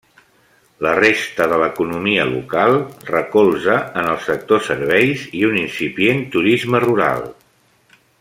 La resta de l'economia local recolza en el sector serveis i un incipient turisme rural.